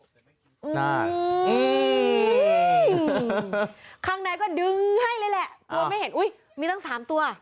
ข้างในก็ดึงให้เลยแหละกลัวไม่เห็นอุ้ยมีตั้ง๓ตัว